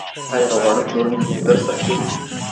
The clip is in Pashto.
ایا واړه پلورونکي انځر ساتي؟